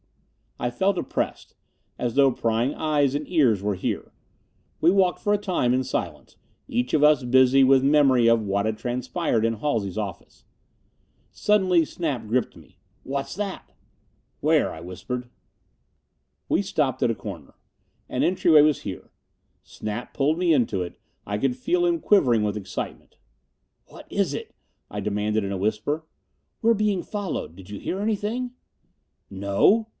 I felt oppressed. As though prying eyes and ears were here. We walked for a time in silence, each of us busy with memory of what had transpired in Halsey's office. Suddenly Snap gripped me. "What's that?" "Where?" I whispered. We stopped at a corner. An entryway was here. Snap pulled me into it. I could feel him quivering with excitement. "What is it?" I demanded in a whisper. "We're being followed. Did you hear anything?" "No!"